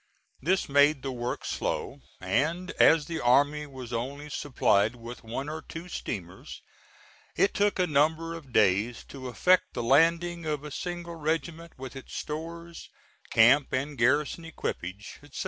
This made the work slow, and as the army was only supplied with one or two steamers, it took a number of days to effect the landing of a single regiment with its stores, camp and garrison equipage, etc.